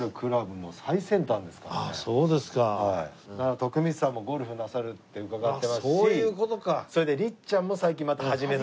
徳光さんもゴルフなさるって伺ってますしそれで律ちゃんも最近また始めた。